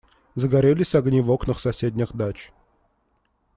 Загорелись огни в окнах соседних дач.